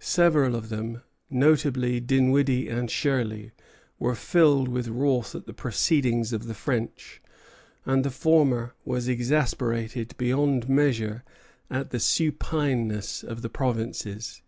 Several of them, notably Dinwiddie and Shirley, were filled with wrath at the proceedings of the French; and the former was exasperated beyond measure at the supineness of the provinces.